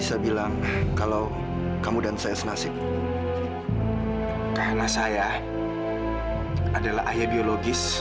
fadil berusaha memisahkan saya dengan kamila